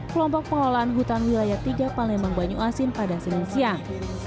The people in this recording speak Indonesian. kelompok pengelolaan hutan wilayah tiga palembang banyu asin pada senin siang